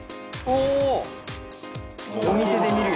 お！